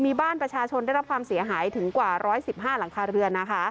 มีบ้านประชาชนได้รับความเสียหายถึงกว่า๑๑๕หลังคาเรือน